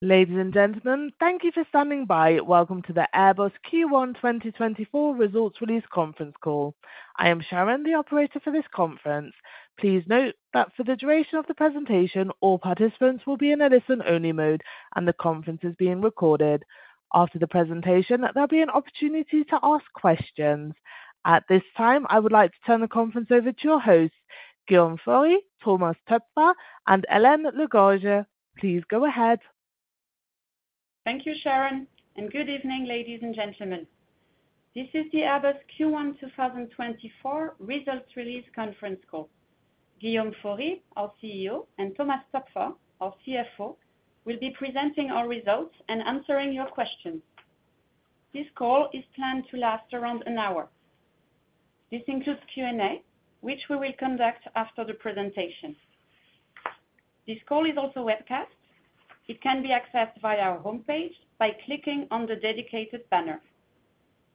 Ladies and gentlemen, thank you for standing by. Welcome to the Airbus Q1 2024 results release conference call. I am Sharon, the operator for this conference. Please note that for the duration of the presentation, all participants will be in a listen-only mode, and the conference is being recorded. After the presentation, there'll be an opportunity to ask questions. At this time, I would like to turn the conference over to your hosts, Guillaume Faury, Thomas Toepfer, and Hélène Le Gorgeu. Please go ahead. Thank you, Sharon, and good evening, ladies and gentlemen. This is the Airbus Q1 2024 results release conference call. Guillaume Faury, our CEO, and Thomas Toepfer, our CFO, will be presenting our results and answering your questions. This call is planned to last around an hour. This includes Q&A, which we will conduct after the presentation. This call is also webcast. It can be accessed via our homepage by clicking on the dedicated banner.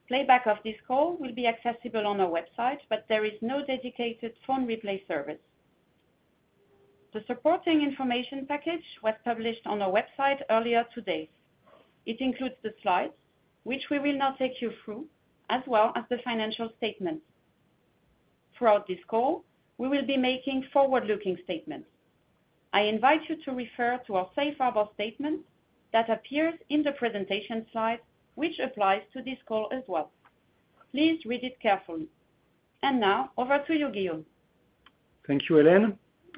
Playback of this call will be accessible on our website, but there is no dedicated phone replay service. The supporting information package was published on our website earlier today. It includes the slides, which we will now take you through, as well as the financial statements. Throughout this call, we will be making forward-looking statements. I invite you to refer to our Safe Harbor Statement that appears in the presentation slide, which applies to this call as well. Please read it carefully. Now, over to you, Guillaume. Thank you, Hélène.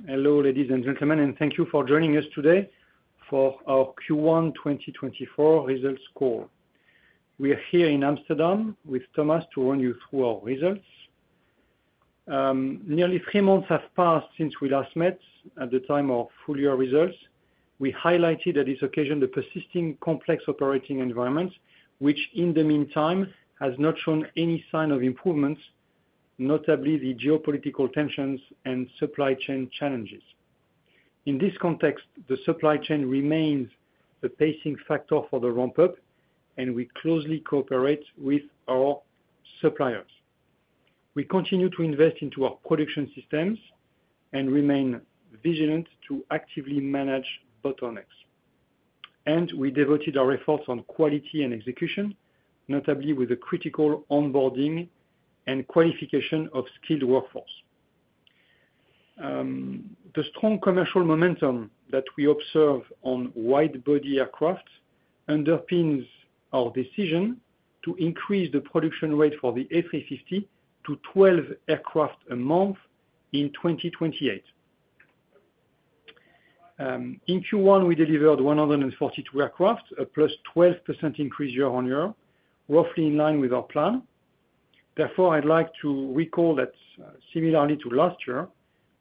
Hello, ladies and gentlemen, and thank you for joining us today for our Q1 2024 results call. We are here in Amsterdam with Thomas to run you through our results. Nearly three months have passed since we last met at the time of full year results. We highlighted at this occasion the persisting complex operating environment, which in the meantime has not shown any sign of improvements, notably the geopolitical tensions and supply chain challenges. In this context, the supply chain remains the pacing factor for the ramp-up, and we closely cooperate with our suppliers. We continue to invest into our production systems and remain vigilant to actively manage bottlenecks. And we devoted our efforts on quality and execution, notably with the critical onboarding and qualification of skilled workforce. The strong commercial momentum that we observe on widebody aircraft underpins our decision to increase the production rate for the A350 to 12 aircraft a month in 2028. In Q1, we delivered 142 aircraft, a +12% increase year-on-year, roughly in line with our plan. Therefore, I'd like to recall that, similarly to last year,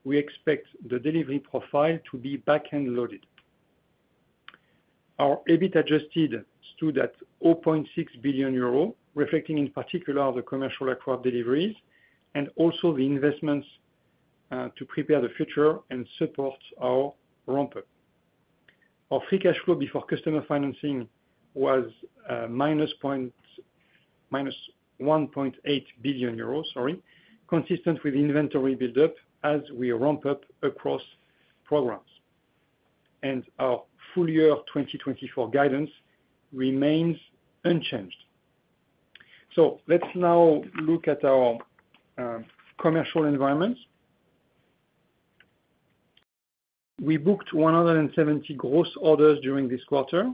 we expect the delivery profile to be backend loaded. Our EBIT Adjusted stood at 0.6 billion euro, reflecting in particular the commercial aircraft deliveries and also the investments, to prepare the future and support our ramp-up. Our free cash flow before customer financing was -1.8 billion euros, sorry, consistent with inventory buildup as we ramp up across programs. Our full year 2024 guidance remains unchanged. So let's now look at our commercial environment. We booked 170 gross orders during this quarter.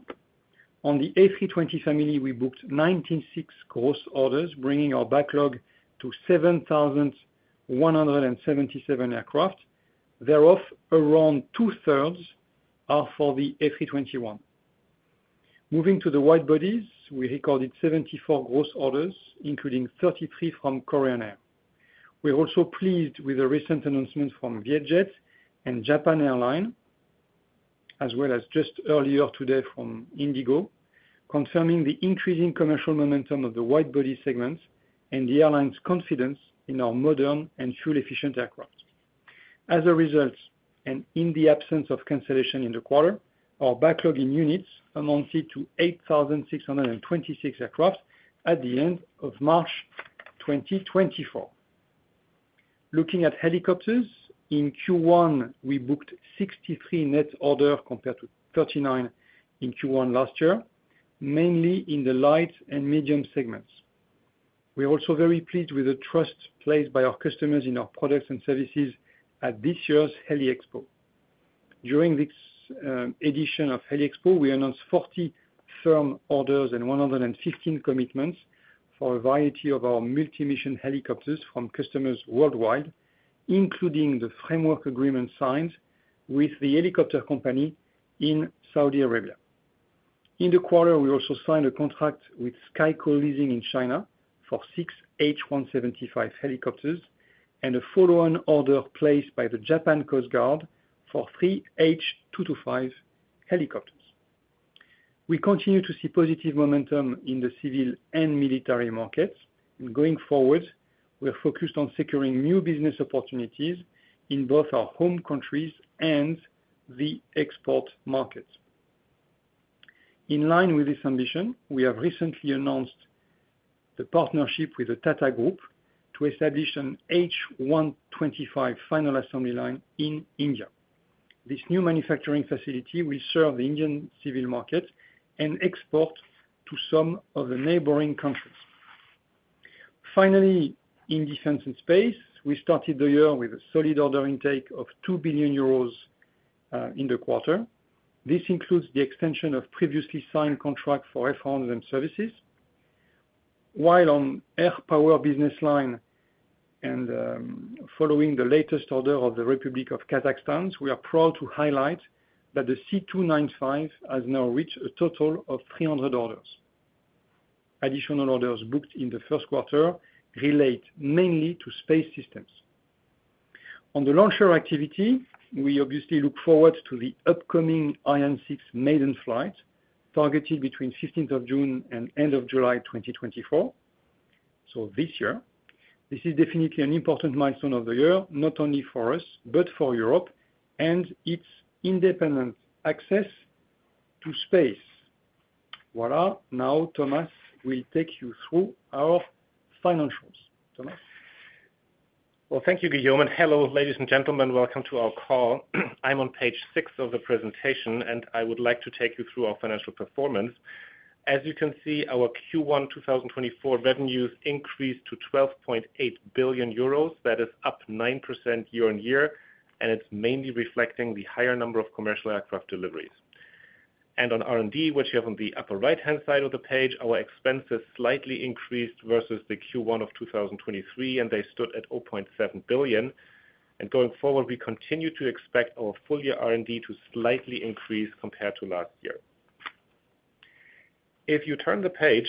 On the A320 Family, we booked 196 gross orders, bringing our backlog to 7,177 aircraft. Thereof, around two-thirds are for the A321. Moving to the widebodies, we recorded 74 gross orders, including 33 from Korean Air. We're also pleased with the recent announcements from Vietjet and Japan Airlines, as well as just earlier today from IndiGo, confirming the increasing commercial momentum of the widebody segment and the airline's confidence in our modern and fuel-efficient aircraft. As a result, and in the absence of cancellation in the quarter, our backlog in units amounted to 8,626 aircraft at the end of March 2024. Looking at helicopters, in Q1, we booked 63 net orders compared to 39 in Q1 last year, mainly in the light and medium segments. We're also very pleased with the trust placed by our customers in our products and services at this year's HeliExpo. During this edition of HeliExpo, we announced 40 firm orders and 115 commitments for a variety of our multi-mission helicopters from customers worldwide, including the framework agreement signed with The Helicopter Company in Saudi Arabia. In the quarter, we also signed a contract with SkyCo Leasing in China for six H175 helicopters and a follow-on order placed by the Japan Coast Guard for three H225 helicopters. We continue to see positive momentum in the civil and military markets, and going forward, we're focused on securing new business opportunities in both our home countries and the export markets. In line with this ambition, we have recently announced the partnership with the Tata Group to establish an H125 final assembly line in India. This new manufacturing facility will serve the Indian civil market and export to some of the neighboring countries. Finally, in Defence and Space, we started the year with a solid order intake of 2 billion euros in the quarter. This includes the extension of previously signed contracts for airframes and services. While on Air Power business line and, following the latest order of the Republic of Kazakhstan, we are proud to highlight that the C295 has now reached a total of 300 orders. Additional orders booked in the first quarter relate mainly to Space Systems. On the launcher activity, we obviously look forward to the upcoming Ariane 6 maiden flight targeted between 15th of June and end of July 2024, so this year. This is definitely an important milestone of the year, not only for us but for Europe, and its independent access to space. Voilà, now Thomas will take you through our financials. Thomas. Well, thank you, Guillaume. Hello, ladies and gentlemen. Welcome to our call. I'm on page 6 of the presentation, and I would like to take you through our financial performance. As you can see, our Q1 2024 revenues increased to 12.8 billion euros. That is up 9% year-on-year, and it's mainly reflecting the higher number of commercial aircraft deliveries. On R&D, which you have on the upper right-hand side of the page, our expenses slightly increased versus the Q1 of 2023, and they stood at 0.7 billion. Going forward, we continue to expect our full-year R&D to slightly increase compared to last year. If you turn the page,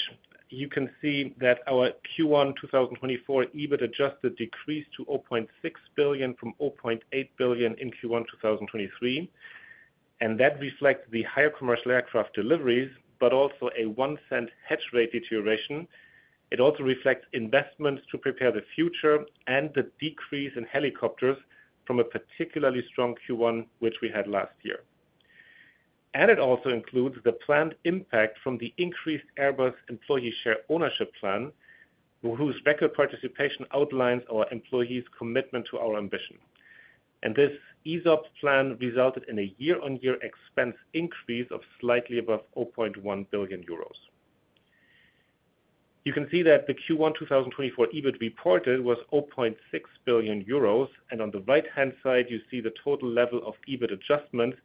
you can see that our Q1 2024 EBIT adjusted decreased to 0.6 billion from 0.8 billion in Q1 2023, and that reflects the higher commercial aircraft deliveries but also a 1-cent hedge rate deterioration. It also reflects investments to prepare the future and the decrease in helicopters from a particularly strong Q1, which we had last year. It also includes the planned impact from the increased Airbus employee share ownership plan, whose record participation outlines our employees' commitment to our ambition. This ESOP plan resulted in a year-on-year expense increase of slightly above 0.1 billion euros. You can see that the Q1 2024 EBIT reported was 0.6 billion euros, and on the right-hand side, you see the total level of EBIT adjustments.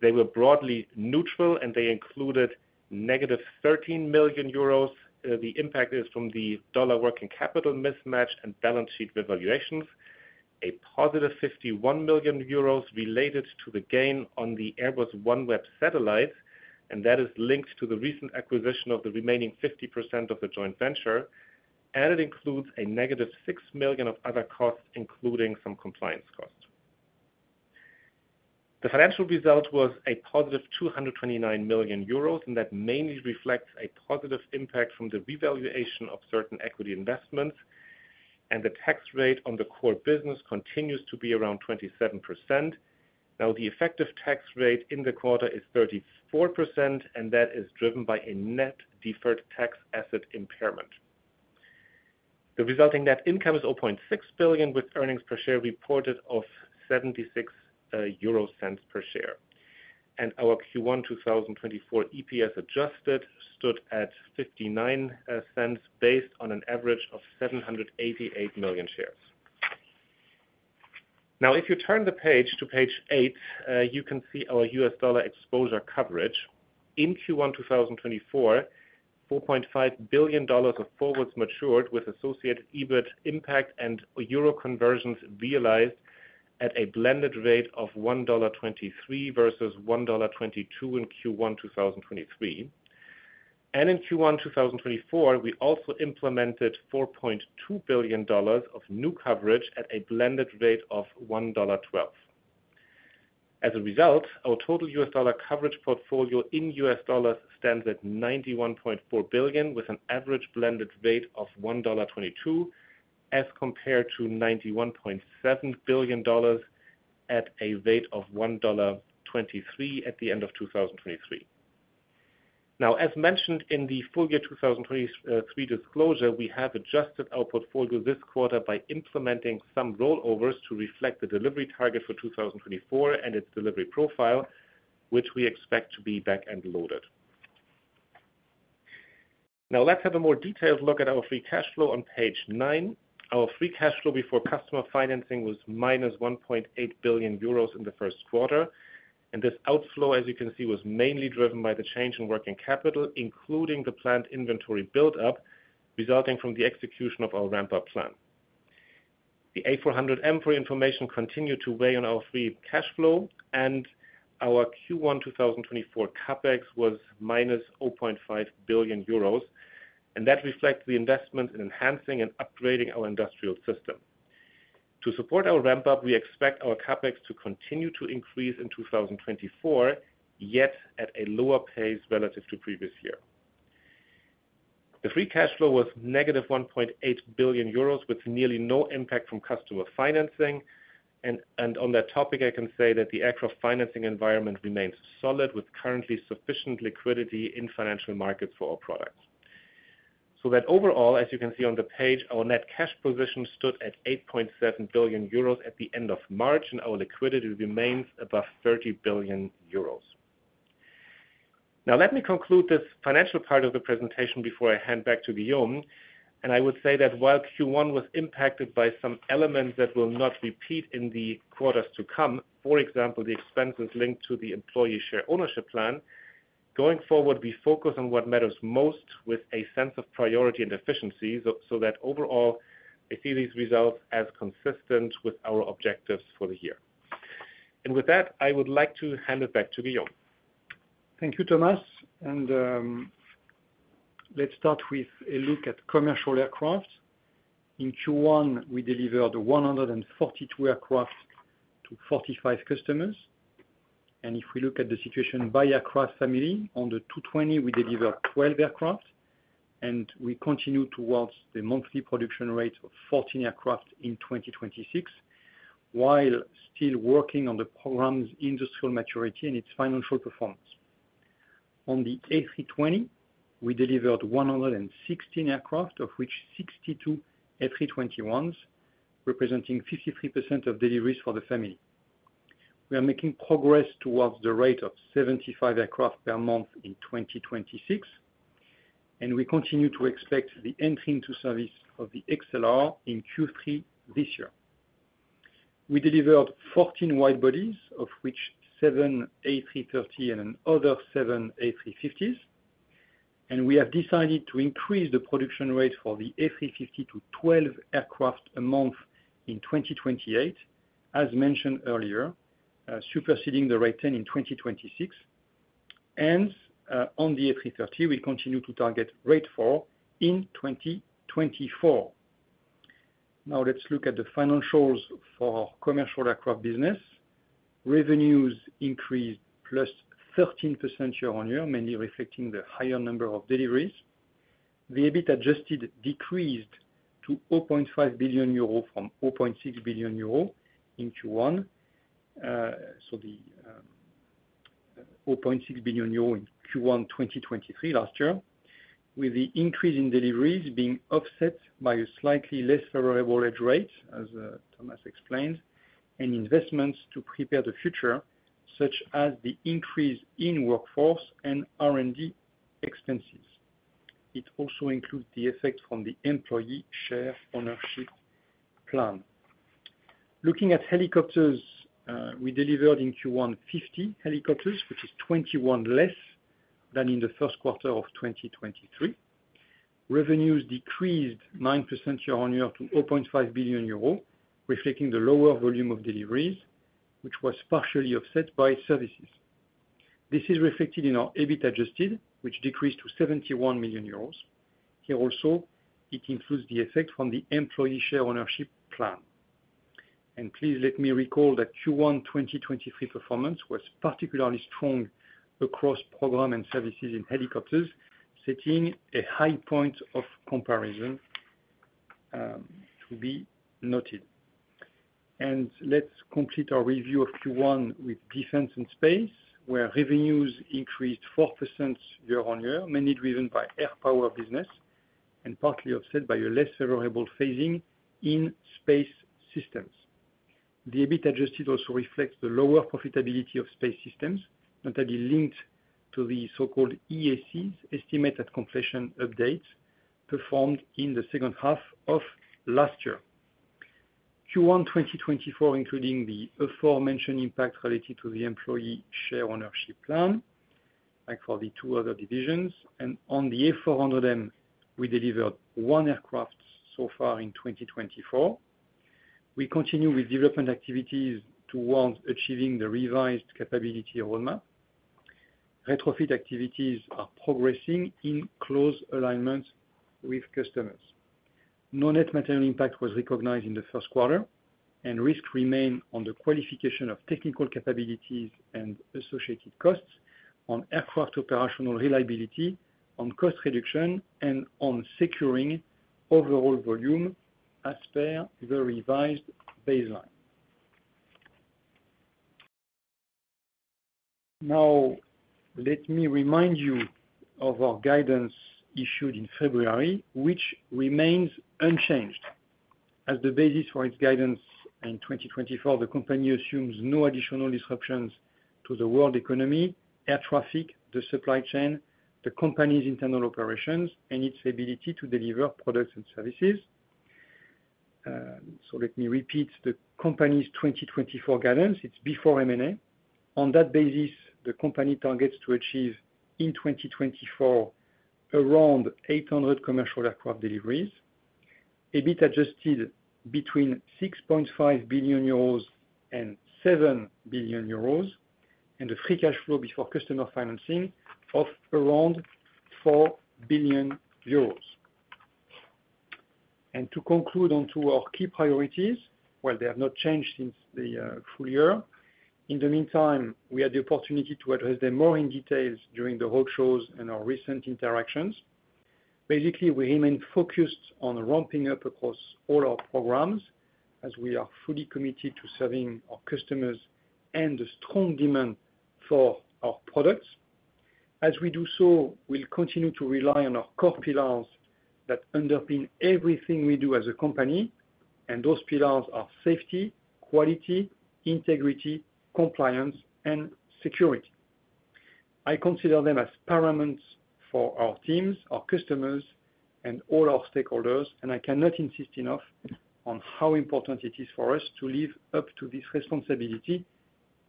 They were broadly neutral, and they included negative 13 million euros. The impact is from the dollar working capital mismatch and balance sheet revaluations, a positive 51 million euros related to the gain on the Airbus OneWeb Satellites, and that is linked to the recent acquisition of the remaining 50% of the joint venture. It includes a negative 6 million of other costs, including some compliance costs. The financial result was a positive 229 million euros, and that mainly reflects a positive impact from the revaluation of certain equity investments. The tax rate on the core business continues to be around 27%. Now, the effective tax rate in the quarter is 34%, and that is driven by a net deferred tax asset impairment. The resulting net income is 0.6 billion, with earnings per share reported of 76 eurocents per share. Our Q1 2024 EPS adjusted stood at 59 cents based on an average of 788 million shares. Now, if you turn the page to page 8, you can see our U.S. dollar exposure coverage. In Q1 2024, $4.5 billion of forwards matured with associated EBIT impact and euro conversions realized at a blended rate of $1.23 versus $1.22 in Q1 2023. In Q1 2024, we also implemented $4.2 billion of new coverage at a blended rate of $1.12. As a result, our total U.S. dollar coverage portfolio in U.S. dollars stands at $91.4 billion, with an average blended rate of $1.22 as compared to $91.7 billion at a rate of $1.23 at the end of 2023. Now, as mentioned in the full year 2023 disclosure, we have adjusted our portfolio this quarter by implementing some rollovers to reflect the delivery target for 2024 and its delivery profile, which we expect to be backend loaded. Now, let's have a more detailed look at our Free Cash Flow on page 9. Our Free Cash Flow before customer financing was -1.8 billion euros in the first quarter. This outflow, as you can see, was mainly driven by the change in working capital, including the planned inventory buildup resulting from the execution of our ramp-up plan. The A400M program continued to weigh on our free cash flow, and our Q1 2024 CapEx was -0.5 billion euros. That reflects the investments in enhancing and upgrading our industrial system. To support our ramp-up, we expect our CapEx to continue to increase in 2024, yet at a lower pace relative to previous year. The free cash flow was -1.8 billion euros, with nearly no impact from customer financing. On that topic, I can say that the aircraft financing environment remains solid, with currently sufficient liquidity in financial markets for our products. So that overall, as you can see on the page, our net cash position stood at 8.7 billion euros at the end of March, and our liquidity remains above 30 billion euros. Now, let me conclude this financial part of the presentation before I hand back to Guillaume. And I would say that while Q1 was impacted by some elements that will not repeat in the quarters to come, for example, the expenses linked to the employee share ownership plan, going forward, we focus on what matters most with a sense of priority and efficiency, so that overall, I see these results as consistent with our objectives for the year. And with that, I would like to hand it back to Guillaume. Thank you, Thomas. Let's start with a look at commercial aircraft. In Q1, we delivered 142 aircraft to 45 customers. If we look at the situation by aircraft family, on the A220, we delivered 12 aircraft, and we continue towards the monthly production rate of 14 aircraft in 2026 while still working on the program's industrial maturity and its financial performance. On the A320, we delivered 116 aircraft, of which 62 A321s, representing 53% of deliveries for the family. We are making progress towards the rate of 75 aircraft per month in 2026, and we continue to expect the entry into service of the XLR in Q3 this year. We delivered 14 widebodies, of which 7 A330s and another 7 A350s. We have decided to increase the production rate for the A350 to 12 aircraft a month in 2028, as mentioned earlier, superseding the rate of 10 in 2026. On the A330, we continue to target rate of 4 in 2024. Now, let's look at the financials for our commercial aircraft business. Revenues increased +13% year-on-year, mainly reflecting the higher number of deliveries. The EBIT Adjusted decreased to 0.5 billion euro from 0.6 billion euro in Q1 2023 last year, with the increase in deliveries being offset by a slightly less favorable hedge rate, as Thomas explained, and investments to prepare the future, such as the increase in workforce and R&D expenses. It also includes the effect from the employee share ownership plan. Looking at helicopters, we delivered in Q1 50 helicopters, which is 21 less than in the first quarter of 2023. Revenues decreased 9% year-on-year to 0.5 billion euros, reflecting the lower volume of deliveries, which was partially offset by services. This is reflected in our EBIT Adjusted, which decreased to 71 million euros. Here also, it includes the effect from the employee share ownership plan. Please let me recall that Q1 2023 performance was particularly strong across program and services in helicopters, setting a high point of comparison, to be noted. Let's complete our review of Q1 with Defence and Space, where revenues increased 4% year-on-year, mainly driven by Air Power business and partly offset by a less favorable phasing in Space Systems. The EBIT Adjusted also reflects the lower profitability of Space Systems, notably linked to the so-called EACs, Estimate at Completion updates, performed in the second half of last year. Q1 2024, including the aforementioned impact related to the Employee Share Ownership Plan, like for the two other divisions. And on the A400M, we delivered one aircraft so far in 2024. We continue with development activities towards achieving the revised capability roadmap. Retrofit activities are progressing in close alignment with customers. No net material impact was recognized in the first quarter, and risks remain on the qualification of technical capabilities and associated costs, on aircraft operational reliability, on cost reduction, and on securing overall volume as per the revised baseline. Now, let me remind you of our guidance issued in February, which remains unchanged. As the basis for its guidance in 2024, the company assumes no additional disruptions to the world economy, air traffic, the supply chain, the company's internal operations, and its ability to deliver products and services. So let me repeat the company's 2024 guidance. It's before M&A. On that basis, the company targets to achieve in 2024 around 800 commercial aircraft deliveries, EBIT Adjusted 6.5 billion-7 billion euros, and the Free Cash Flow before customer financing of around 4 billion euros. And to conclude onto our key priorities, well, they have not changed since the full year. In the meantime, we had the opportunity to address them more in detail during the roadshows and our recent interactions. Basically, we remain focused on ramping up across all our programs, as we are fully committed to serving our customers and the strong demand for our products. As we do so, we'll continue to rely on our core pillars that underpin everything we do as a company, and those pillars are safety, quality, integrity, compliance, and security. I consider them as paramedics for our teams, our customers, and all our stakeholders, and I cannot insist enough on how important it is for us to live up to this responsibility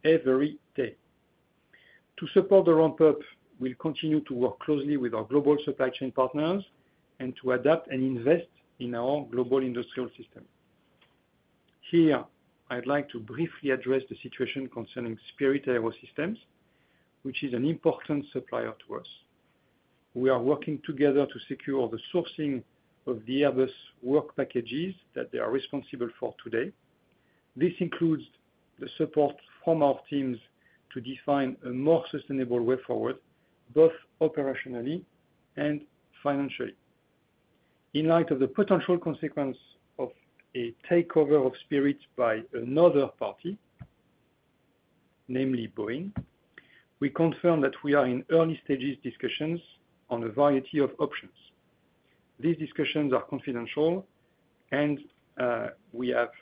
every day. To support the ramp-up, we'll continue to work closely with our global supply chain partners and to adapt and invest in our global industrial system. Here, I'd like to briefly address the situation concerning Spirit AeroSystems, which is an important supplier to us. We are working together to secure the sourcing of the Airbus work packages that they are responsible for today. This includes the support from our teams to define a more sustainable way forward, both operationally and financially. In light of the potential consequence of a takeover of Spirit by another party, namely Boeing, we confirm that we are in early stages discussions on a variety of options. These discussions are confidential, and we have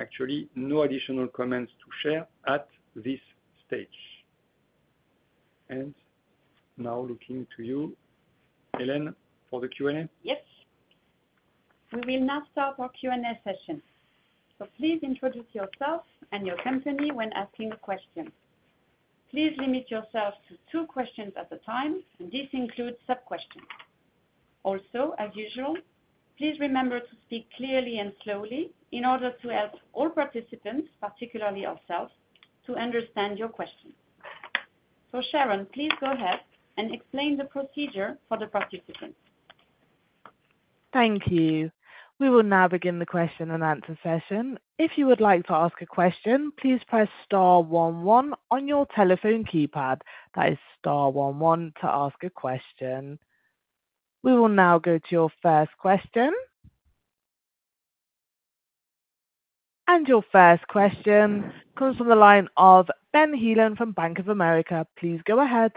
actually no additional comments to share at this stage. Now looking to you, Hélène, for the Q&A. Yes. We will now start our Q&A session. Please introduce yourself and your company when asking a question. Please limit yourself to two questions at a time, and this includes sub-questions. Also, as usual, please remember to speak clearly and slowly in order to help all participants, particularly ourselves, to understand your questions. Sharon, please go ahead and explain the procedure for the participants. Thank you. We will now begin the question and answer session. If you would like to ask a question, please press star 11 on your telephone keypad. That is star 11 to ask a question. We will now go to your first question. Your first question comes from the line of Ben Heelan from Bank of America. Please go ahead.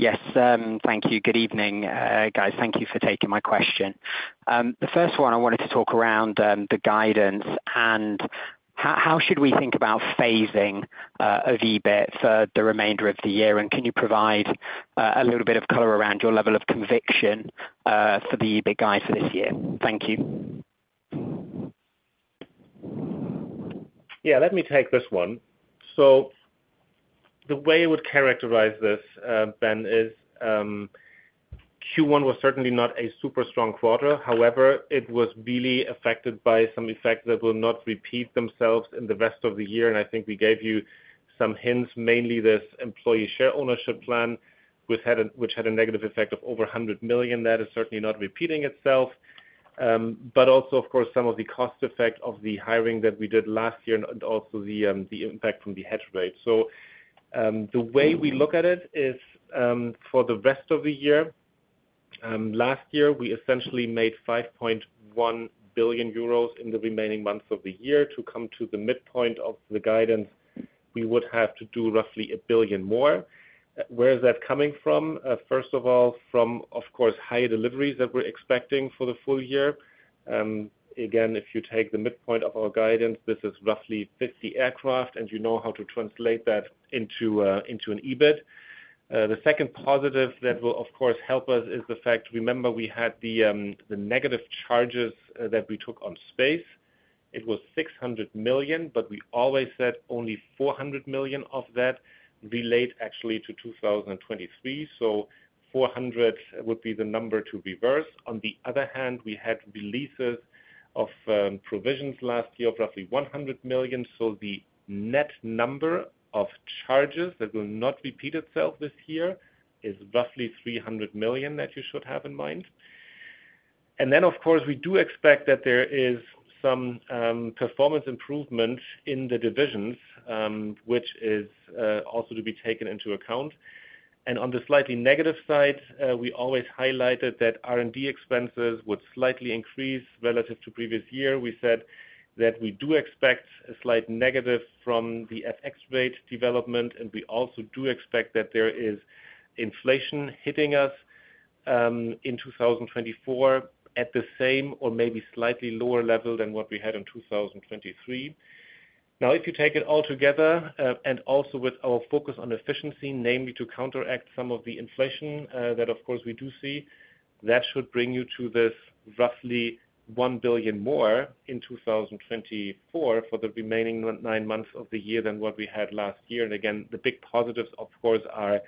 Yes. Thank you. Good evening, guys. Thank you for taking my question. The first one I wanted to talk around, the guidance and how, how should we think about phasing, of EBIT for the remainder of the year? And can you provide, a little bit of color around your level of conviction, for the EBIT guide for this year? Thank you. Yeah. Let me take this one. So the way I would characterize this, Ben, is, Q1 was certainly not a super strong quarter. However, it was really affected by some effects that will not repeat themselves in the rest of the year. And I think we gave you some hints, mainly this employee share ownership plan, which had a negative effect of over 100 million. That is certainly not repeating itself. But also, of course, some of the cost effect of the hiring that we did last year and, and also the, the impact from the hedge rate. So, the way we look at it is, for the rest of the year, last year, we essentially made 5.1 billion euros in the remaining months of the year. To come to the midpoint of the guidance, we would have to do roughly 1 billion more. Where is that coming from? First of all, from, of course, higher deliveries that we're expecting for the full year. Again, if you take the midpoint of our guidance, this is roughly 50 aircraft, and you know how to translate that into an EBIT. The second positive that will, of course, help us is the fact remember, we had the, the negative charges, that we took on space. It was 600 million, but we always said only 400 million of that relate actually to 2023, so 400 million would be the number to reverse. On the other hand, we had releases of, provisions last year of roughly 100 million. So the net number of charges that will not repeat itself this year is roughly 300 million that you should have in mind. Then, of course, we do expect that there is some performance improvement in the divisions, which is also to be taken into account. On the slightly negative side, we always highlighted that R&D expenses would slightly increase relative to previous year. We said that we do expect a slight negative from the FX rate development, and we also do expect that there is inflation hitting us in 2024 at the same or maybe slightly lower level than what we had in 2023. Now, if you take it all together, and also with our focus on efficiency, namely to counteract some of the inflation, that, of course, we do see, that should bring you to this roughly 1 billion more in 2024 for the remaining 9 months of the year than what we had last year. And again, the big positives, of course, are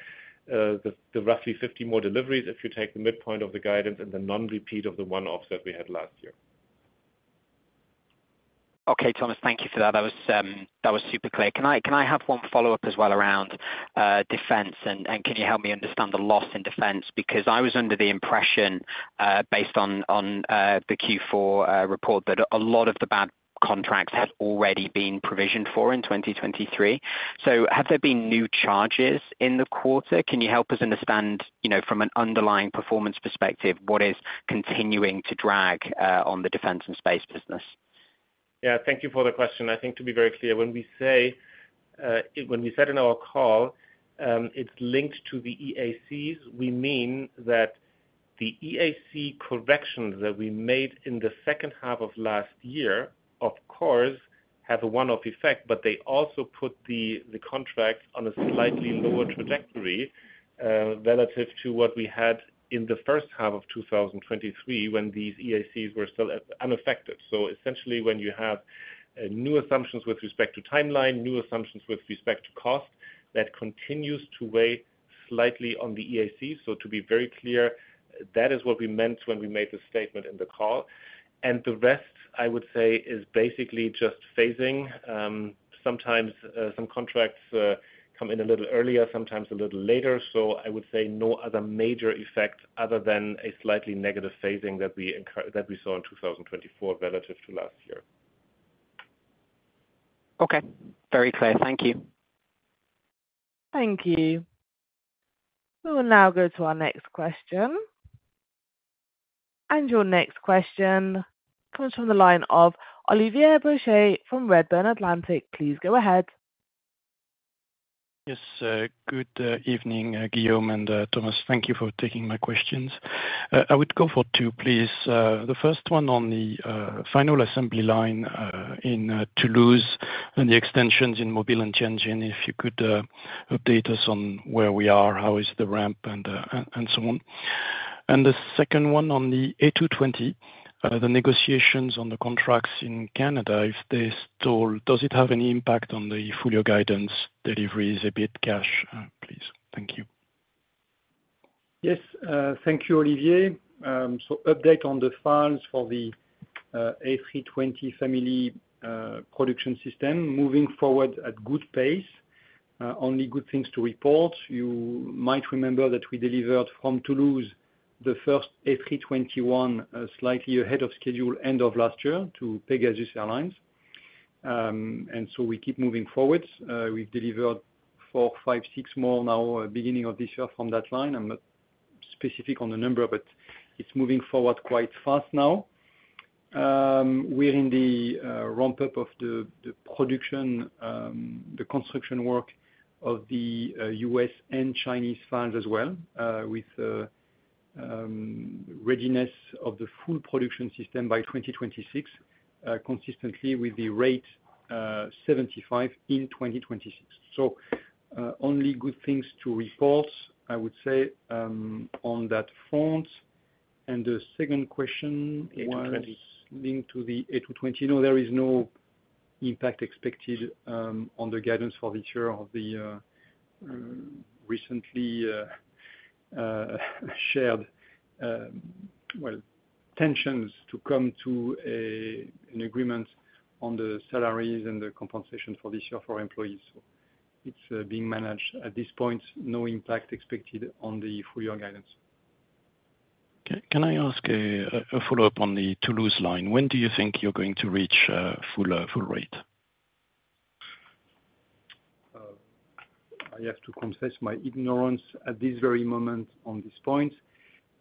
the roughly 50 more deliveries if you take the midpoint of the guidance and the non-repeat of the one-offs that we had last year. Okay, Thomas, thank you for that. That was super clear. Can I have one follow-up as well around defence, and can you help me understand the loss in defence? Because I was under the impression, based on the Q4 report that a lot of the bad contracts had already been provisioned for in 2023. So have there been new charges in the quarter? Can you help us understand, you know, from an underlying performance perspective, what is continuing to drag on the Defence and Space business? Yeah. Thank you for the question. I think to be very clear, when we say, when we said in our call, it's linked to the EACs, we mean that the EAC corrections that we made in the second half of last year, of course, have a one-off effect, but they also put the, the contract on a slightly lower trajectory, relative to what we had in the first half of 2023 when these EACs were still unaffected. So essentially, when you have new assumptions with respect to timeline, new assumptions with respect to cost, that continues to weigh slightly on the EACs. So to be very clear, that is what we meant when we made the statement in the call. And the rest, I would say, is basically just phasing. Sometimes, some contracts, come in a little earlier, sometimes a little later. So I would say no other major effect other than a slightly negative phasing that we saw in 2024 relative to last year. Okay. Very clear. Thank you. Thank you. We will now go to our next question. Your next question comes from the line of Olivier Brochet from Redburn Atlantic. Please go ahead. Yes. Good evening, Guillaume and Thomas. Thank you for taking my questions. I would go for two, please. The first one on the Final Assembly Line in Toulouse and the extensions in Mobile and Tianjin, if you could update us on where we are, how is the ramp, and, and, and so on. And the second one on the A220, the negotiations on the contracts in Canada, if they stall, does it have any impact on the full-year guidance, deliveries, EBIT, cash? Please. Thank you. Yes. Thank you, Olivier. So, update on the FALs for the A320 Family production system moving forward at good pace. Only good things to report. You might remember that we delivered from Toulouse the first A321, slightly ahead of schedule end of last year to Pegasus Airlines. So we keep moving forward. We've delivered 4, 5, 6 more now, beginning of this year from that line. I'm not specific on the number, but it's moving forward quite fast now. We're in the ramp-up of the production, the construction work of the U.S. and Chinese FALs as well, with readiness of the full production system by 2026, consistently with the rate 75 in 2026. So, only good things to report, I would say, on that front. And the second question was. A220. Linked to the A220. No, there is no impact expected on the guidance for this year of the recently shared, well, tensions to come to an agreement on the salaries and the compensation for this year for employees. So it's being managed at this point, no impact expected on the full-year guidance. Okay. Can I ask a follow-up on the Toulouse line? When do you think you're going to reach full rate? I have to confess my ignorance at this very moment on this point.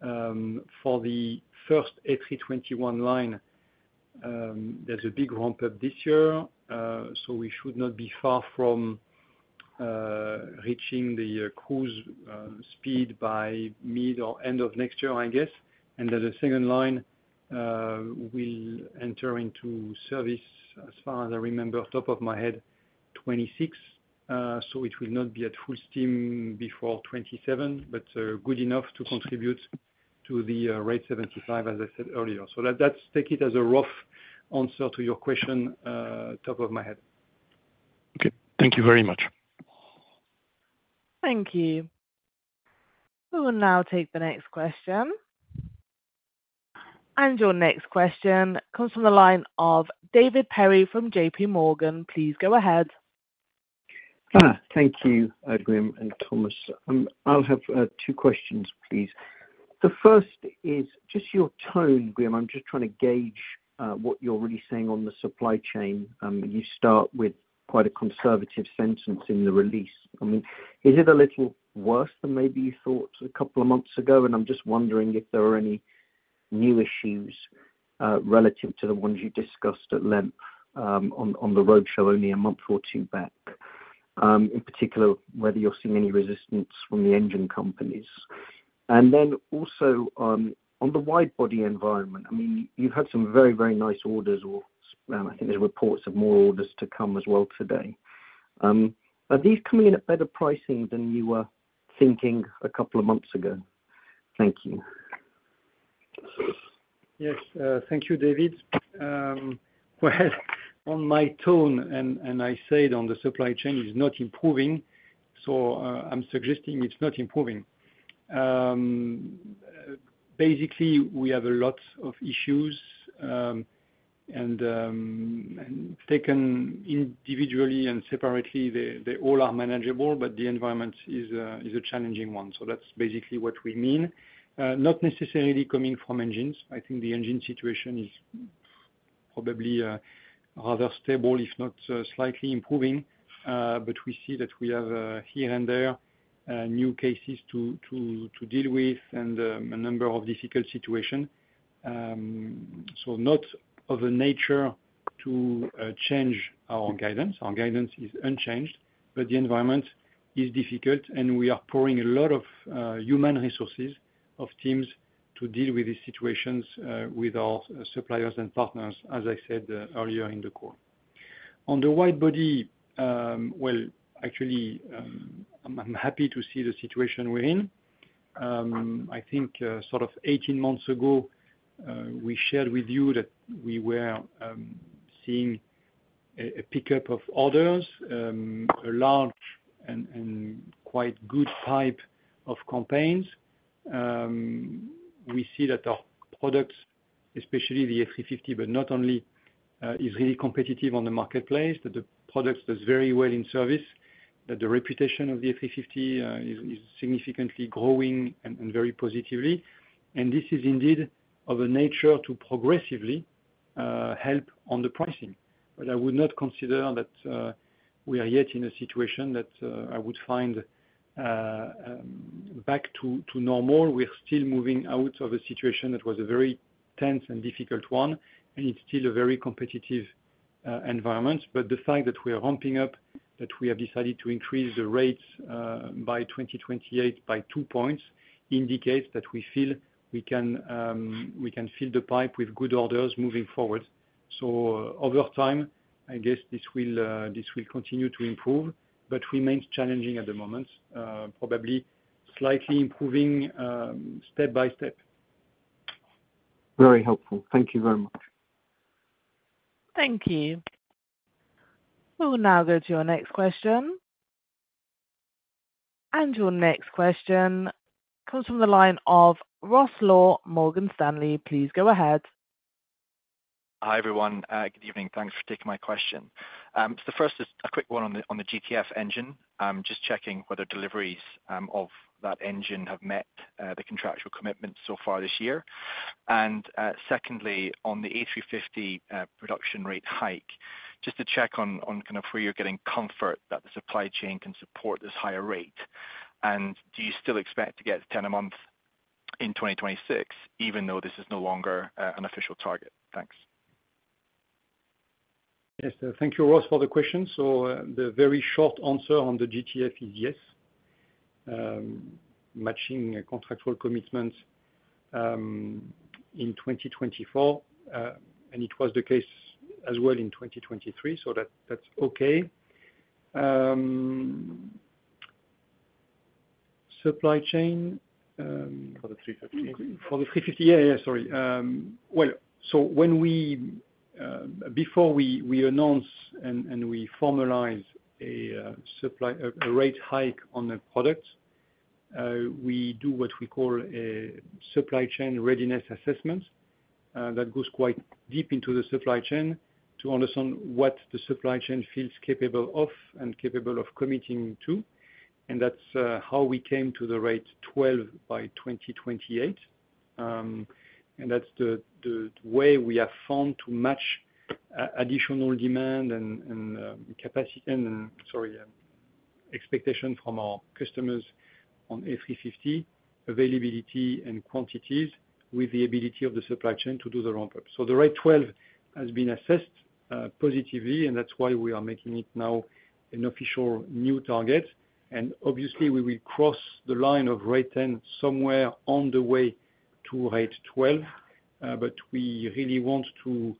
For the first A321 line, there's a big ramp-up this year, so we should not be far from reaching the cruise speed by mid or end of next year, I guess. And then the second line will enter into service, as far as I remember, top of my head, 2026. So it will not be at full steam before 2027, but good enough to contribute to the rate 75, as I said earlier. So that, that's take it as a rough answer to your question, top of my head. Okay. Thank you very much. Thank you. We will now take the next question. Your next question comes from the line of David Perry from JPMorgan. Please go ahead. Thank you, Guillaume and Thomas. I'll have two questions, please. The first is just your tone, Guillaume. I'm just trying to gauge what you're really saying on the supply chain. You start with quite a conservative sentence in the release. I mean, is it a little worse than maybe you thought a couple of months ago? And I'm just wondering if there are any new issues, relative to the ones you discussed at length, on the roadshow only a month or two back, in particular, whether you're seeing any resistance from the engine companies. And then also, on the widebody environment, I mean, you've had some very, very nice orders or, I think there's reports of more orders to come as well today. Are these coming in at better pricing than you were thinking a couple of months ago? Thank you. Yes. Thank you, David. Well, on my tone, and I said on the supply chain is not improving, so I'm suggesting it's not improving. Basically, we have a lot of issues, and taken individually and separately, they all are manageable, but the environment is a challenging one. So that's basically what we mean. Not necessarily coming from engines. I think the engine situation is probably rather stable, if not slightly improving. But we see that we have, here and there, new cases to deal with and a number of difficult situations. So not of a nature to change our guidance. Our guidance is unchanged, but the environment is difficult, and we are pouring a lot of human resources of teams to deal with these situations, with our suppliers and partners, as I said earlier in the call. On the widebody, well, actually, I'm happy to see the situation we're in. I think, sort of 18 months ago, we shared with you that we were seeing a pickup of orders, a large and quite good pipeline of campaigns. We see that our products, especially the A350, but not only, is really competitive on the marketplace, that the product does very well in service, that the reputation of the A350 is significantly growing and very positively. And this is indeed of a nature to progressively help on the pricing. But I would not consider that we are yet in a situation that I would find back to normal. We're still moving out of a situation that was a very tense and difficult one, and it's still a very competitive environment. But the fact that we are ramping up, that we have decided to increase the rates, by 2028 by 2 points indicates that we feel we can, we can fill the pipe with good orders moving forward. So, over time, I guess this will, this will continue to improve, but remains challenging at the moment, probably slightly improving, step by step. Very helpful. Thank you very much. Thank you. We will now go to your next question. Your next question comes from the line of Ross Law Morgan Stanley. Please go ahead. Hi, everyone. Good evening. Thanks for taking my question. So the first is a quick one on the GTF engine. I'm just checking whether deliveries of that engine have met the contractual commitments so far this year. And, secondly, on the A350 production rate hike, just to check on kind of where you're getting comfort that the supply chain can support this higher rate. And do you still expect to get 10 a month in 2026, even though this is no longer an official target? Thanks. Yes. Thank you, Ross, for the question. So, the very short answer on the GTF is yes, matching contractual commitments, in 2024. It was the case as well in 2023. So that's okay. Supply chain, For the 350. For the A350, yeah, yeah, sorry. Well, so when we, before we announce and we formalize a supply rate hike on a product, we do what we call a supply chain readiness assessment that goes quite deep into the supply chain to understand what the supply chain feels capable of and capable of committing to. And that's how we came to the rate 12 by 2028. And that's the way we have found to match additional demand and capacity and expectation from our customers on A350 availability and quantities with the ability of the supply chain to do the ramp-up. So the rate 12 has been assessed positively, and that's why we are making it now an official new target. And obviously, we will cross the line of rate 10 somewhere on the way to rate 12. But we really want to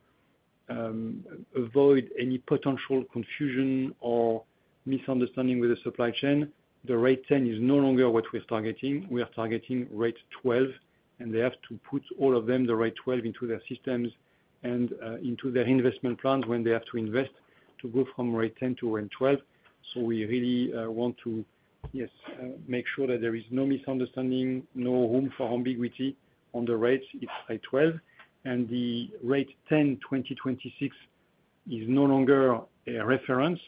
avoid any potential confusion or misunderstanding with the supply chain. The rate 10 is no longer what we're targeting. We are targeting rate 12, and they have to put all of them, the rate 12, into their systems and into their investment plans when they have to invest to go from rate 10 to rate 12. So we really want to yes make sure that there is no misunderstanding, no room for ambiguity on the rates if rate 12. And the rate 10, 2026, is no longer a reference.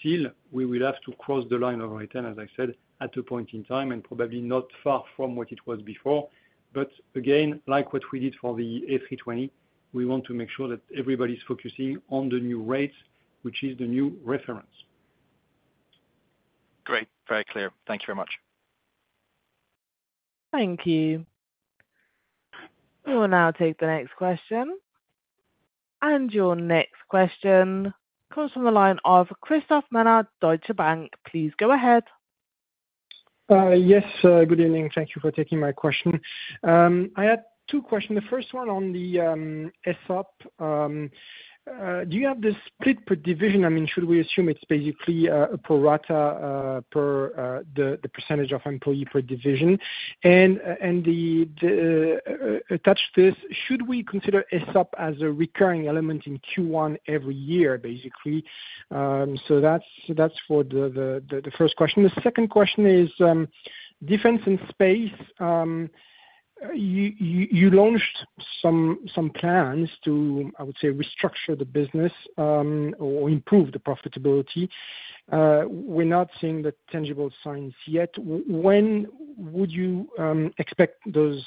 Still, we will have to cross the line of rate 10, as I said, at a point in time and probably not far from what it was before. But again, like what we did for the A320, we want to make sure that everybody's focusing on the new rates, which is the new reference. Great. Very clear. Thank you very much. Thank you. We will now take the next question. Your next question comes from the line of Christophe Menard, Deutsche Bank. Please go ahead. Yes. Good evening. Thank you for taking my question. I had two questions. The first one on the SOP, do you have the split per division? I mean, should we assume it's basically a prorata per the percentage of employee per division? And the attached to this, should we consider SOP as a recurring element in Q1 every year, basically? So that's for the first question. The second question is difference in space. You launched some plans to, I would say, restructure the business or improve the profitability. We're not seeing the tangible signs yet. When would you expect those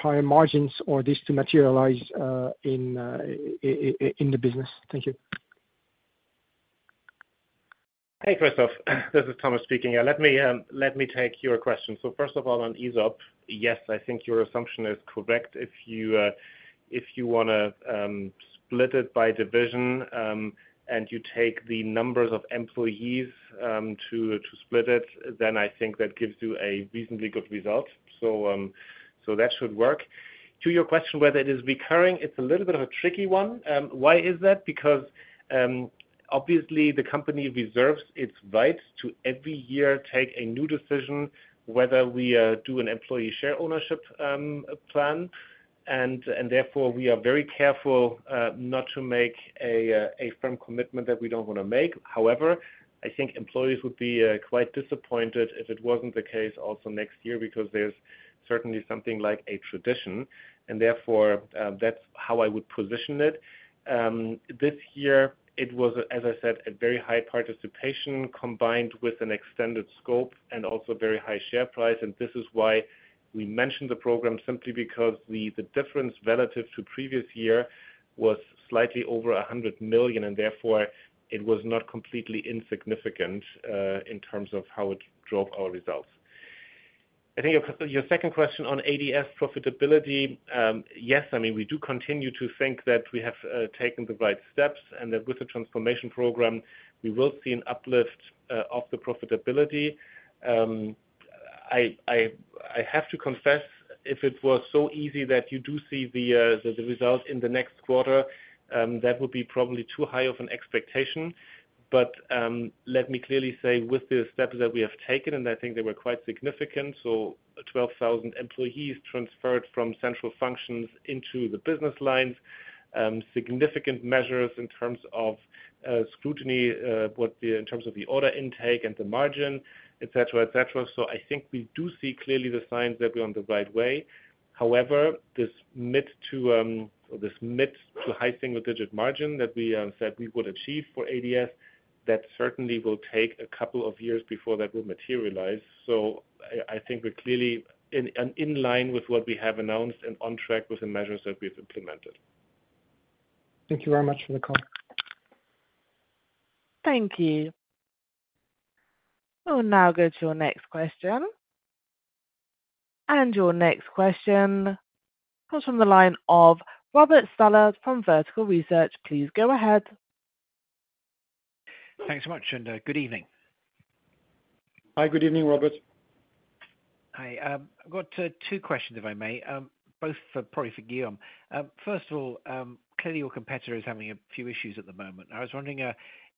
higher margins or these to materialize in the business? Thank you. Hey, Christophe. This is Thomas speaking. Let me, let me take your question. So first of all, on ESOP, yes, I think your assumption is correct. If you, if you wanna, split it by division, and you take the numbers of employees, to, to split it, then I think that gives you a reasonably good result. So, so that should work. To your question whether it is recurring, it's a little bit of a tricky one. Why is that? Because, obviously, the company reserves its rights to every year take a new decision whether we, do an employee share ownership, plan. And, and therefore, we are very careful, not to make a, a firm commitment that we don't wanna make. However, I think employees would be, quite disappointed if it wasn't the case also next year because there's certainly something like a tradition. Therefore, that's how I would position it. This year, it was, as I said, a very high participation combined with an extended scope and also very high share price. And this is why we mentioned the program simply because the difference relative to previous year was slightly over 100 million. And therefore, it was not completely insignificant in terms of how it drove our results. I think your second question on ADS profitability, yes. I mean, we do continue to think that we have taken the right steps and that with the transformation program, we will see an uplift of the profitability. I have to confess, if it was so easy that you do see the result in the next quarter, that would be probably too high of an expectation. But let me clearly say, with the steps that we have taken, and I think they were quite significant, so 12,000 employees transferred from central functions into the business lines, significant measures in terms of scrutiny, what in terms of the order intake and the margin, etc., etc. So I think we do see clearly the signs that we're on the right way. However, this mid- to, or this mid- to high single-digit margin that we said we would achieve for ADS, that certainly will take a couple of years before that will materialize. So I think we're clearly in line with what we have announced and on track with the measures that we've implemented. Thank you very much for the call. Thank you. We will now go to your next question. Your next question comes from the line of Robert Stallard from Vertical Research. Please go ahead. Thanks so much, and good evening. Hi. Good evening, Robert. Hi. I've got two questions, if I may, both for probably for Guillaume. First of all, clearly, your competitor is having a few issues at the moment. I was wondering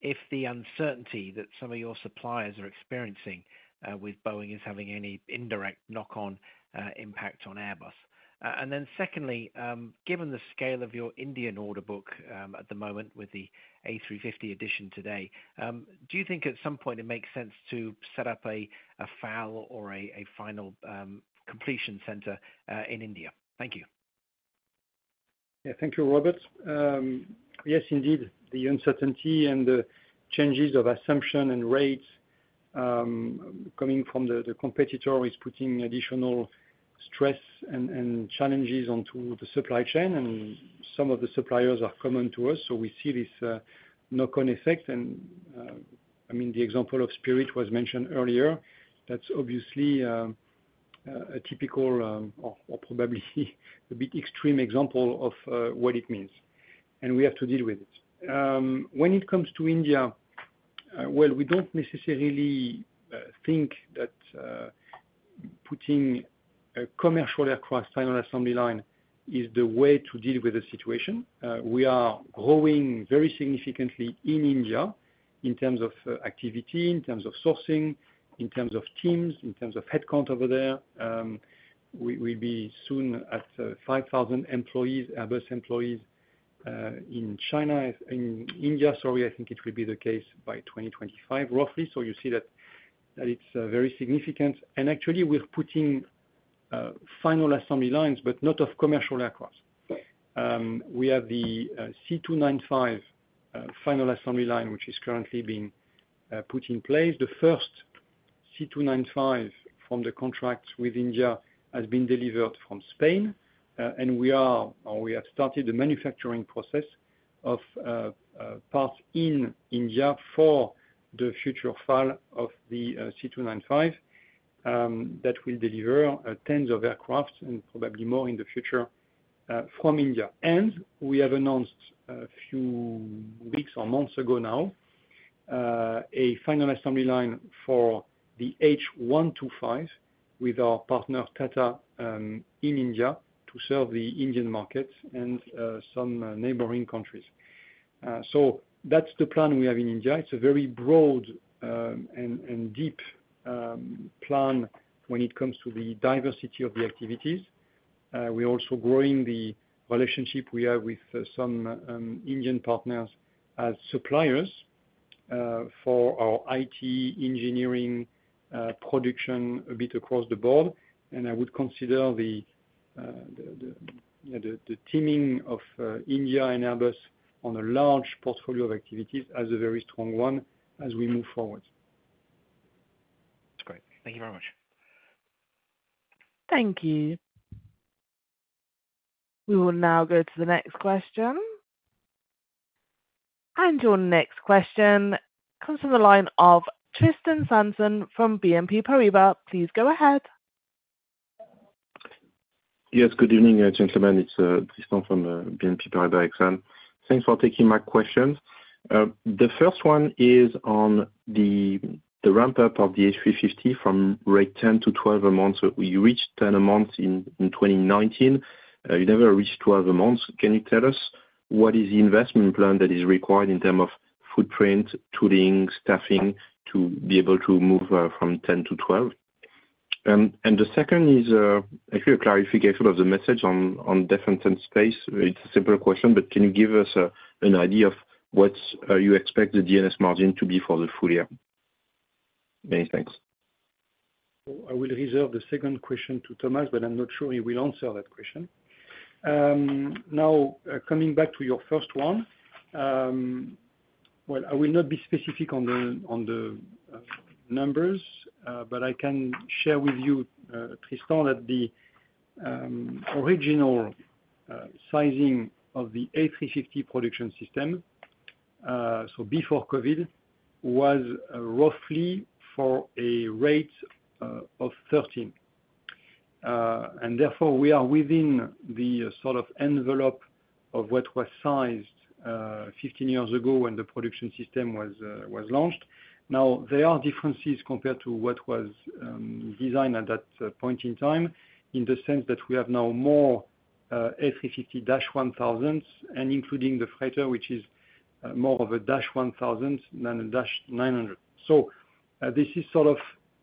if the uncertainty that some of your suppliers are experiencing with Boeing is having any indirect knock-on impact on Airbus. Then secondly, given the scale of your Indian order book at the moment with the A350 addition today, do you think at some point it makes sense to set up a FAL or a final completion center in India? Thank you. Yeah. Thank you, Robert. Yes, indeed. The uncertainty and the changes of assumption and rates, coming from the competitor is putting additional stress and challenges onto the supply chain. And some of the suppliers are common to us. So we see this knock-on effect. And, I mean, the example of Spirit was mentioned earlier. That's obviously a typical or probably a bit extreme example of what it means. And we have to deal with it. When it comes to India, well, we don't necessarily think that putting a commercial aircraft final assembly line is the way to deal with the situation. We are growing very significantly in India in terms of activity, in terms of sourcing, in terms of teams, in terms of headcount over there. We will be soon at 5,000 employees, Airbus employees, in China in India. Sorry. I think it will be the case by 2025, roughly. So you see that it's very significant. And actually, we're putting final assembly lines, but not of commercial aircraft. We have the C295 final assembly line, which is currently being put in place. The first C295 from the contract with India has been delivered from Spain. And we are or we have started the manufacturing process of parts in India for the future FAL of the C295, that will deliver tens of aircraft and probably more in the future, from India. And we have announced, a few weeks or months ago now, a final assembly line for the H125 with our partner Tata, in India to serve the Indian market and some neighboring countries. So that's the plan we have in India. It's a very broad and deep plan when it comes to the diversity of the activities. We're also growing the relationship we have with some Indian partners as suppliers for our IT, engineering, production a bit across the board. I would consider the teaming of India and Airbus on a large portfolio of activities as a very strong one as we move forward. That's great. Thank you very much. Thank you. We will now go to the next question. Your next question comes from the line of Tristan Sanson from BNP Paribas Exane. Please go ahead. Yes. Good evening, gentlemen. It's Tristan from BNP Paribas Exane. Thanks for taking my questions. The first one is on the ramp-up of the A350 from rate 10-12 a month. So you reached 10 a month in 2019. You never reached 12 a month. Can you tell us what is the investment plan that is required in terms of footprint, tooling, staffing to be able to move from 10-12? And the second is actually a clarification of the message on Defence and Space. It's a simple question, but can you give us an idea of what you expect the D&S margin to be for the full year? Many thanks. Well, I will reserve the second question to Thomas, but I'm not sure he will answer that question. Now, coming back to your first one, well, I will not be specific on the numbers, but I can share with you, Tristan, that the original sizing of the A350 production system, so before COVID, was roughly for a rate of 13. And therefore, we are within the sort of envelope of what was sized 15 years ago when the production system was launched. Now, there are differences compared to what was designed at that point in time in the sense that we have now more A350-1000s and including the Freighter, which is more of a -1000 than a -900. So, this is sort of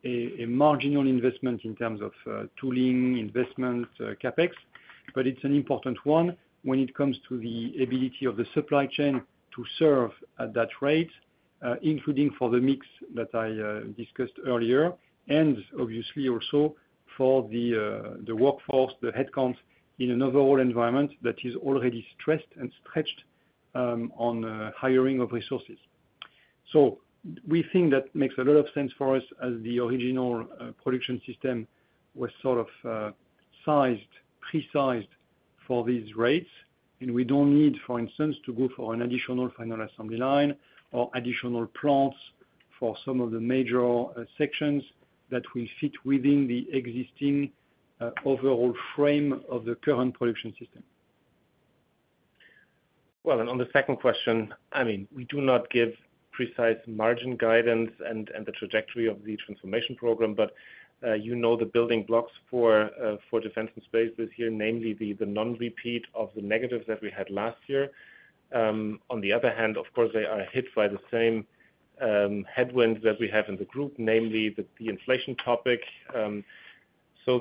a marginal investment in terms of tooling, investment, CapEx. But it's an important one when it comes to the ability of the supply chain to serve at that rate, including for the mix that I discussed earlier and obviously also for the workforce, the headcount in an overall environment that is already stressed and stretched on hiring of resources. So we think that makes a lot of sense for us as the original production system was sort of sized, pre-sized for these rates. And we don't need, for instance, to go for an additional final assembly line or additional plants for some of the major sections that will fit within the existing overall frame of the current production system. Well, and on the second question, I mean, we do not give precise margin guidance and the trajectory of the transformation program. But you know the building blocks for Defence and Space this year, namely the non-repeat of the negatives that we had last year. On the other hand, of course, they are hit by the same headwinds that we have in the group, namely the inflation topic. So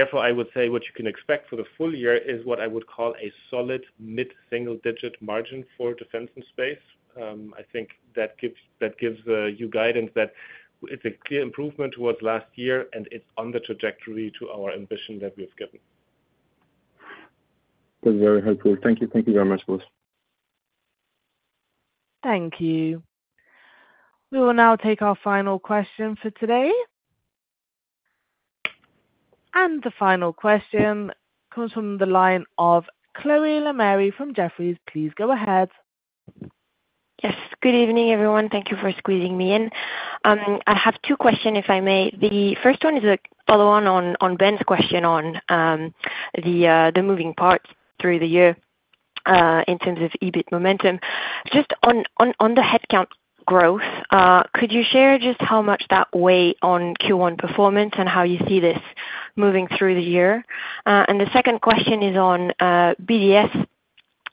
therefore, I would say what you can expect for the full year is what I would call a solid mid-single-digit margin for Defence and Space. I think that gives you guidance that it's a clear improvement toward last year, and it's on the trajectory to our ambition that we've given. That's very helpful. Thank you. Thank you very much, Boss. Thank you. We will now take our final question for today. The final question comes from the line of Chloé Lemarie' from Jefferies. Please go ahead. Yes. Good evening, everyone. Thank you for squeezing me in. I have two questions, if I may. The first one is a follow-on on Ben's question on the moving parts through the year, in terms of EBIT momentum. Just on the headcount growth, could you share just how much that weighed on Q1 performance and how you see this moving through the year? And the second question is on BDS.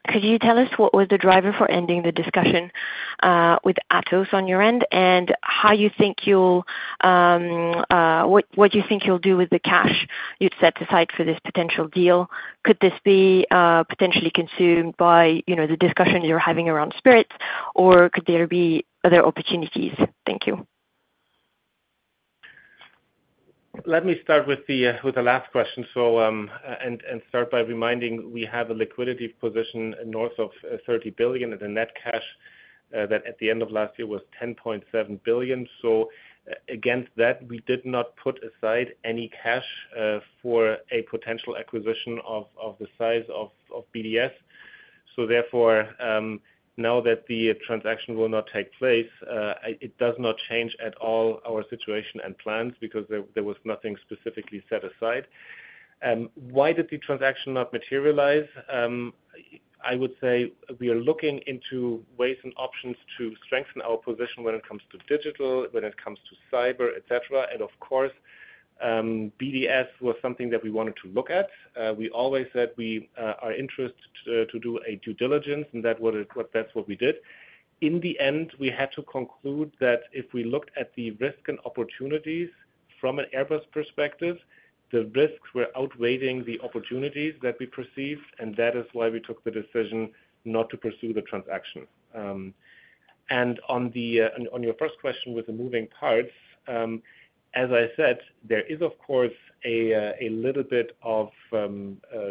Could you tell us what was the driver for ending the discussion with Atos on your end and how you think you'll do with the cash you'd set aside for this potential deal? Could this be potentially consumed by, you know, the discussion you're having around Spirit, or could there be other opportunities? Thank you. Let me start with the last question. So, start by reminding, we have a liquidity position north of 30 billion at the net cash, that at the end of last year was 10.7 billion. So, against that, we did not put aside any cash for a potential acquisition of the size of BDS. So therefore, now that the transaction will not take place, it does not change at all our situation and plans because there was nothing specifically set aside. Why did the transaction not materialize? I would say we are looking into ways and options to strengthen our position when it comes to digital, when it comes to cyber, etc. And of course, BDS was something that we wanted to look at. We always said we are interested to do a due diligence, and that's what we did. In the end, we had to conclude that if we looked at the risks and opportunities from an Airbus perspective, the risks were outweighing the opportunities that we perceived. And that is why we took the decision not to pursue the transaction. And on your first question with the moving parts, as I said, there is, of course, a little bit of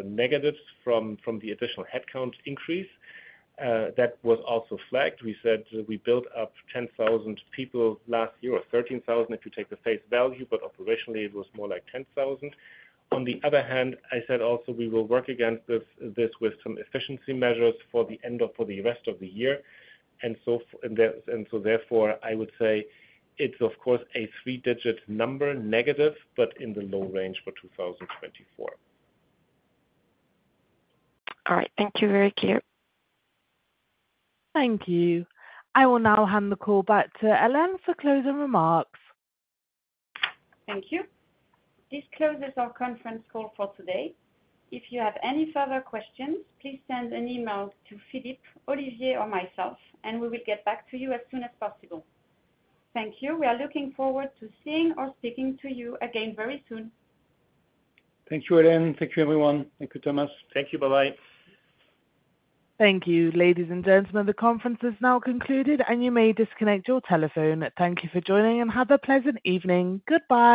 negatives from the additional headcount increase, that was also flagged. We said we built up 10,000 people last year or 13,000 if you take the face value, but operationally, it was more like 10,000. On the other hand, I said also, we will work against this with some efficiency measures for the rest of the year. Therefore, I would say it's, of course, a three-digit number negative, but in the low range for 2024. All right. Thank you. Very clear. Thank you. I will now hand the call back to Hélène for closing remarks. Thank you. This closes our conference call for today. If you have any further questions, please send an email to Philippe, Olivier, or myself, and we will get back to you as soon as possible. Thank you. We are looking forward to seeing or speaking to you again very soon. Thank you, Hélène. Thank you, everyone. Thank you, Thomas. Thank you. Bye-bye. Thank you, ladies and gentlemen. The conference is now concluded, and you may disconnect your telephone. Thank you for joining, and have a pleasant evening. Goodbye.